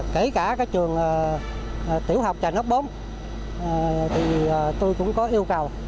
kể cả trường tiểu học trà nốc bốn tôi cũng có yêu cầu